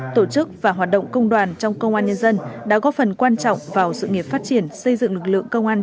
tổ chức và hoạt động công đoàn trong công an nhân dân đã góp phần quan trọng vào sự nghiệp phát triển xây dựng lực lượng công an